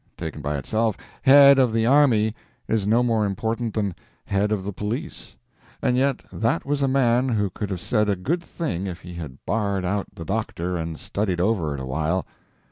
Taken by itself, "Head of the army," is no more important than "Head of the police." And yet that was a man who could have said a good thing if he had barred out the doctor and studied over it a while.